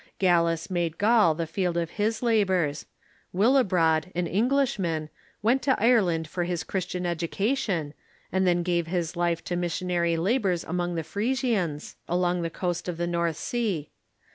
Gallus made Gaul the field of his labors. Willibrod, an Englishman, Avent to Ireland for his Christian education, and then gave his life to missionary labors among the Frisians, along the coast of the North Sea.